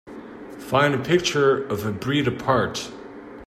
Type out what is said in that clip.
Find a picture of A Breed Apart